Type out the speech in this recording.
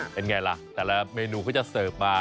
เป็นไงล่ะแต่ละเมนูเขาจะเสิร์ฟมา